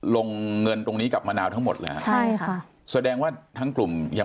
ลงเงินตรงนี้กับมะนาวทั้งหมดแล้วใช่ค่ะแสดงว่าทั้งกลุ่มยัง